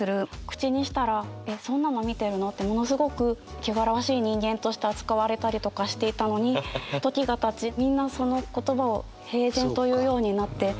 口にしたら「えっそんなの見てるの？」ってものすごく汚らわしい人間として扱われたりとかしていたのに時がたちみんなその言葉を平然と言うようになって。